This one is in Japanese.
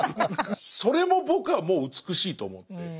それも僕はもう美しいと思って。